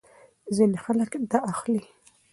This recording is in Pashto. ځینې خلک دا اخلي.